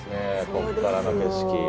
ここからの景色。